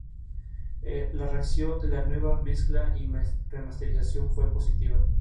La reacción de la nueva mezcla y remasterización fue positiva.